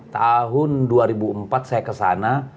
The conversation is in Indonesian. tahun dua ribu empat saya kesana